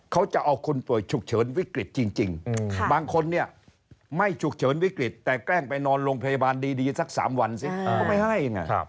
เขาจะเอาคนป่วยฉุกเฉินวิกฤตจริงบางคนเนี่ยไม่ฉุกเฉินวิกฤตแต่แกล้งไปนอนโรงพยาบาลดีสัก๓วันสิเขาไม่ให้นะ